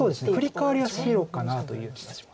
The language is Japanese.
フリカワリは白かなという気がします。